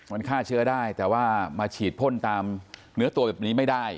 มันฆ่าเชื้อได้แต่ว่ามาฉีดพ่นตามเนื้อตัวแบบนี้ไม่ได้